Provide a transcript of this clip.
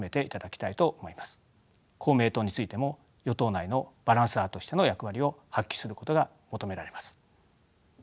公明党についても与党内のバランサーとしての役割を発揮することが求められます。